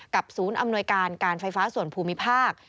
ศูนย์อำนวยการการไฟฟ้าส่วนภูมิภาค